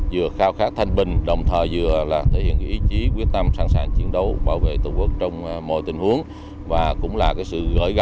góp phần khẳng định chủ quyền biển đảo thiêng liêng của tổ quốc